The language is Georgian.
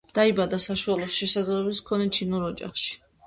დაიბადა საშუალო შესაძლებლობის მქონე ჩინურ ოჯახში.